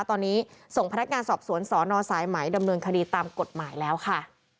ตอนนี้ส่งพนักงานสอบสวนสนสายไหมดำเนินคดีตามกฎหมายแล้วค่ะ